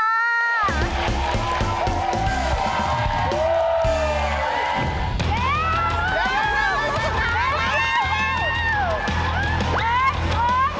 เกมรับจำนำ